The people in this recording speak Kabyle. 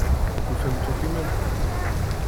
Tufamt akk iman-nkent?